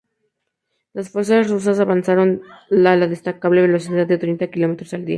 Las fuerzas rusas avanzaron a la destacable velocidad de treinta kilómetros al día.